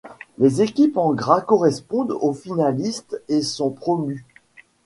Les équipes en gras correspondent aux finalistes et sont promues.